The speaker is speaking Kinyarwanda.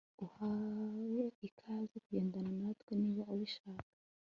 Urahawe ikaze kugendana natwe niba ubishaka